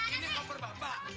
ini koper bapak